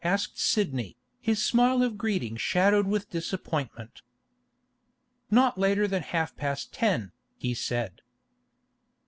asked Sidney, his smile of greeting shadowed with disappointment. 'Not later than half past ten, he said.